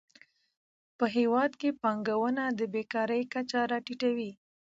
په هیواد کې پانګونه د بېکارۍ کچه راټیټوي.